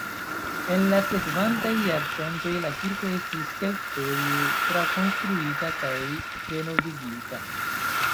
En la sekvantaj jarcentoj la kirko estis kelkfoje trakonstruita kaj renovigita.